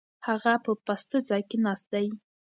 هغه په پاسته ځای کې ناست دی.